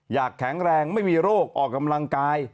แข็งแรงไม่มีโรคออกกำลังกาย